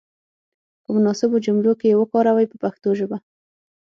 په مناسبو جملو کې یې وکاروئ په پښتو ژبه.